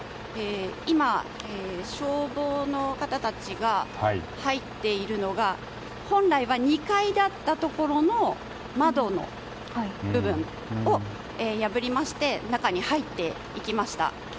今、消防の方たちが入っているのが本来は２階だったところの窓の部分を破りまして中に入っていきました。